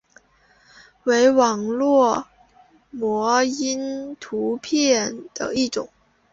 为网络模因图片的一种。